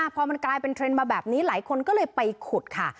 พอมันกลายเป็นเทรนด์มาแบบนี้หลายคนก็เลยไปขุดค่ะ